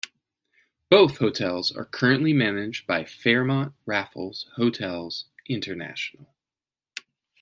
Both hotels are currently managed by Fairmont Raffles Hotels International.